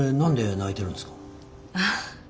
ああ。